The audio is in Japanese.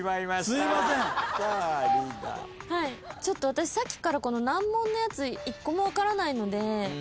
私さっきからこの難問のやつ１個も分からないので。